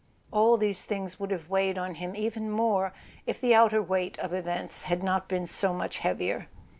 All these things would have weighed on him even more if the outer weight of events had not been so much heavier.